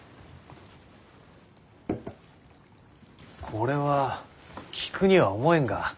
これは菊には思えんが。